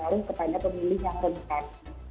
mengaruh kepada pemilih yang rentas